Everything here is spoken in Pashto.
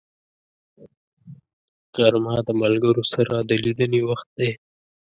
غرمه د ملګرو سره د لیدنې وخت دی